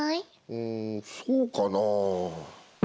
うんそうかなぁ？